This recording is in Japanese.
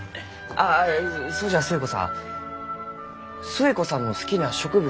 あそうじゃ寿恵子さん寿恵子さんの好きな植物